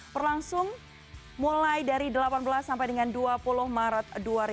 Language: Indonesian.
berlangsung mulai dari delapan belas sampai dengan dua puluh maret dua ribu dua puluh